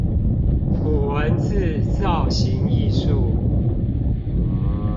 古文字造型藝術